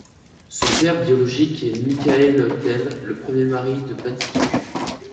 Son père biologique est Michaël Tell, le premier mari de Patty Duke.